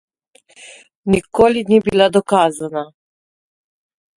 Nikoli ni bila dokazana.